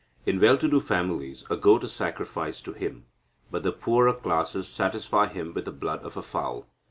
"In well to do families, a goat is sacrificed to him, but the poorer classes satisfy him with the blood of a fowl.